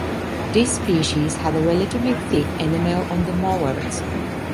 This species had a relatively thick enamel on the molars.